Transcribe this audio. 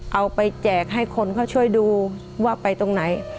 แจกให้คนเขาช่วยดูว่าไปตรงไหน